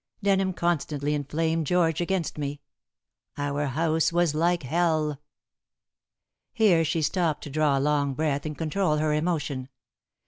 Denham constantly inflamed George against me. Our house was like hell." Here she stopped to draw a long breath and control her emotion.